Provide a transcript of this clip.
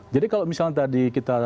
jadi kalau misalnya tadi kita